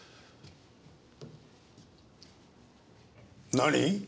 何？